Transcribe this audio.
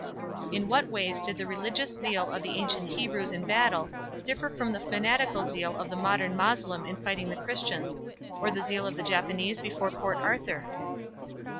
In what ways did the religious zeal of the ancient Hebrews in battle differ from the fanatical zeal of the modern Moslem in fighting the Christians? Or the zeal of the Japanese before Port Arthur?